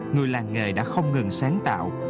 người làng nghề đã không ngừng sáng tạo